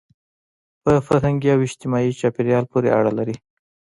په فرهنګي او اجتماعي چاپېریال پورې اړه لري.